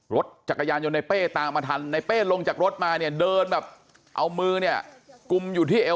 รถจักรยานยนต์ในเป้ตามมาทันในเป้ลงจากรถมาเนี่ยเดินแบบเอามือเนี่ยกุมอยู่ที่เอว